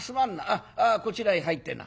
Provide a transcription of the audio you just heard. あこちらへ入ってな。